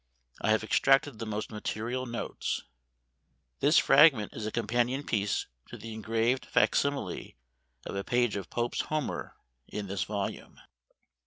I have extracted the most material notes. This fragment is a companion piece to the engraved fac simile of a page of Pope's Homer, in this volume.